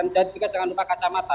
dan juga jangan lupa kacamata